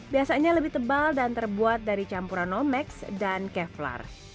biasanya lebih tebal dan terbuat dari campuran omex dan kevlar